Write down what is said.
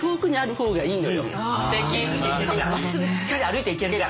まっすぐしっかり歩いていけるから。